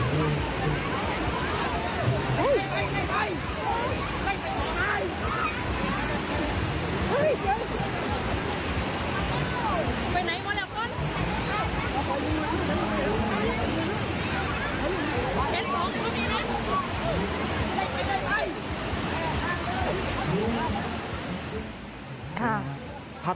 เฮ้ยเฮ้ยเฮ้ย